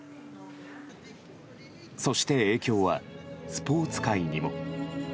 そして、影響はスポーツ界にも。